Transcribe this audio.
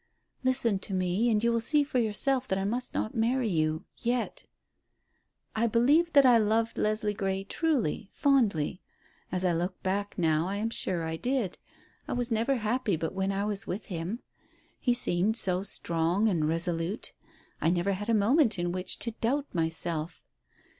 "Listen to me, and you will see for yourself that I must not marry you yet. I believed that I loved Leslie Grey truly, fondly. As I look back now I am sure I did. I was never happy but when I was with him. He seemed so strong and resolute. I never had a moment in which to doubt myself.